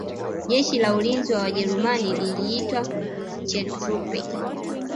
Jeshi la Ulinzi wa Wajerumani liliitwa Schutztruppe